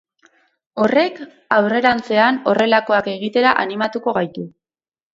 Horrek aurrerantzean horrelakoak egitera animatuko gaitu.